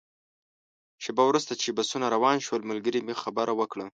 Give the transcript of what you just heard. شېبه وروسته چې بسونه روان شول، ملګري مې خبره وکړه.